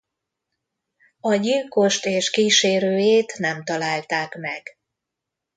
A gyilkost és kísérőjét nem találták meg.